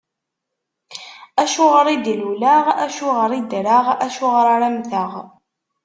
Acuɣeṛ i d-luleɣ, acuɣeṛ i ddreɣ, acuɣeṛ ara mteɣ?